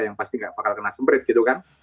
yang pasti nggak bakal kena semprit gitu kan